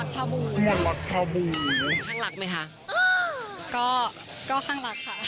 จริง